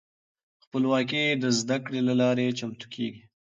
خپلواکې د زده کړې له لارې چمتو کیږي.